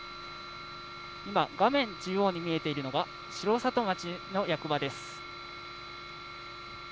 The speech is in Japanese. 今、画面中央に見えているのが城里町の役場です。